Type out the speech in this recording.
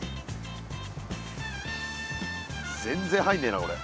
全然入んねえなこれ。